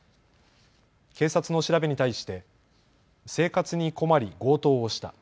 警察の調べに対して生活に困り強盗をした。